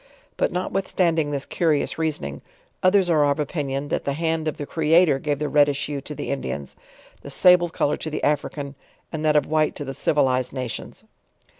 But notwithstanding this curious reasoning, others are of opinion, that the hand of tho Creator gave the reddish hue to the Indians, the sable color to the African, and that of white to the civilized na tions.